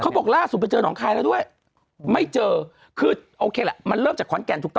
บอกล่าสุดไปเจอหนองคายแล้วด้วยไม่เจอคือโอเคแหละมันเริ่มจากขอนแก่นถูกต้อง